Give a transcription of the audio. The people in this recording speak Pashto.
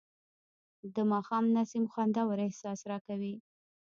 د ماښام نسیم خوندور احساس راکوي